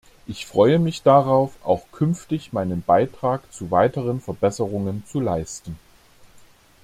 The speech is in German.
Ich freue mich darauf, auch künftig meinen Beitrag zu weiteren Verbesserungen zu leisten.